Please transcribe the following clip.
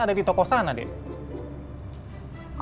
ada di toko sana deh